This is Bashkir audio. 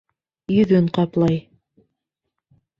Йөҙөн ҡаплай.